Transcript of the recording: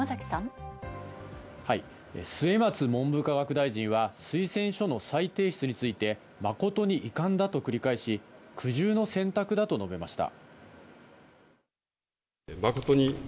末松文部科学大臣は推薦書の再提出について、誠に遺憾だと繰り返し、苦渋の選択だと述べました。